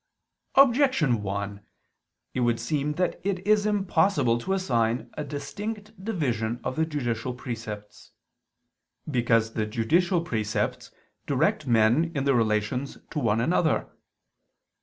Objection 1: It would seem that it is impossible to assign a distinct division of the judicial precepts. Because the judicial precepts direct men in their relations to one another.